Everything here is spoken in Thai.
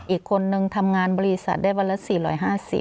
อีกคนนึงทำงานบริษัทได้วันละ๔๕๐